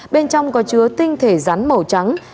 bên trong có chứa tinh thể rắn màu trắng